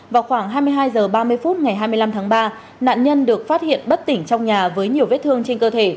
vào khoảng hai mươi hai h ba mươi phút ngày hai mươi năm tháng ba nạn nhân được phát hiện bất tỉnh trong nhà với nhiều vết thương trên cơ thể